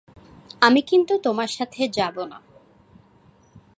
আমি কিন্তু তোমার সাথে যাবো না।